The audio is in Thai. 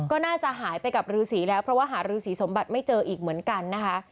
ก็น่าจะหายไปกับฤษีแล้วเพราะว่าหารือสีสมบัติไม่เจออีกเหมือนกันนะคะ